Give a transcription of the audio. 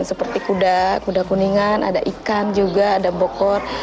seperti kuda kuda kuningan ada ikan juga ada bokor